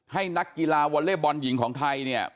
นักกีฬาวอเล็กบอลหญิงของไทยเนี่ย